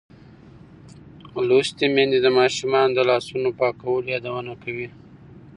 لوستې میندې د ماشومانو د لاسونو پاکولو یادونه کوي.